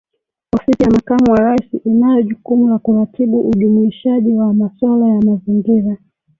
Ofisi ya Makamu wa Rais inayo jukumu la kuratibu ujumuishaji wa masuala ya mazingira